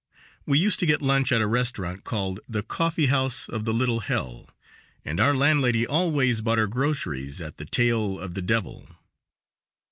We used to get lunch at a restaurant called "The Coffee House of the Little Hell," and our landlady always bought her groceries at "The Tail of the Devil."